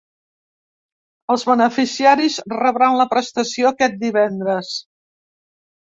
Els beneficiaris rebran la prestació aquest divendres.